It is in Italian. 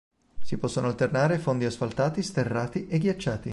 Si possono alternare fondi asfaltati, sterrati e ghiacciati.